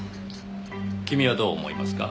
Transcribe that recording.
君はどう思いますか？